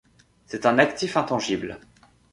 C'est un actif intangible.